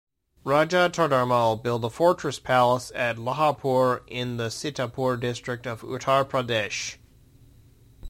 Raja Todarmal built a fortress-palace at Laharpur in the Sitapur district of Uttar Pradesh.